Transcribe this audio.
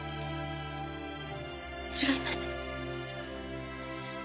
違います。